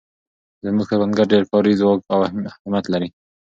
زموږ کروندګر ډېر کاري ځواک او همت لري.